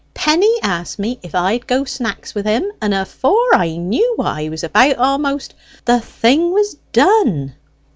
Penny asked me if I'd go snacks with him, and afore I knew what I was about a'most, the thing was done."